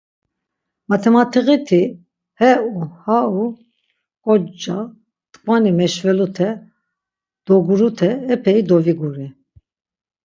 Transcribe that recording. Matamat̆iğiti he u ha u, ǩocca, t̆ǩvani meşvelute, dogurute epeyi doviguri.